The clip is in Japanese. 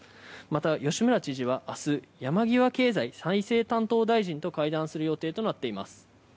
また、吉村知事は明日、山際経済再生担当大臣と会談する予定となっています。